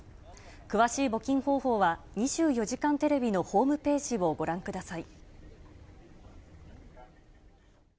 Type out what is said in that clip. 詳しい募金方法は、２４時間テレビのホームページをご覧ください。